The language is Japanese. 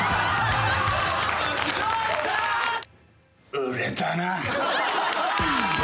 売れたな。